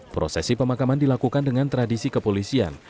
prosesi pemakaman dilakukan dengan tradisi kepolisian